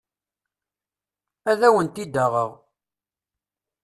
Ad awen-t-id-aɣeɣ.